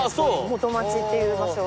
元町っていう場所。